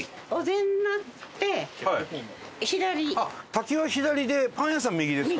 滝は左でパン屋さん右ですか？